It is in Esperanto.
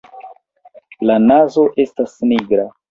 La nazo estas nigra.